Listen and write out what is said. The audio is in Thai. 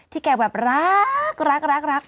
ที่แกแบบรัก